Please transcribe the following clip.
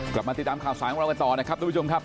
กลับมาติดตามข่าวสารของเรากันต่อนะครับทุกผู้ชมครับ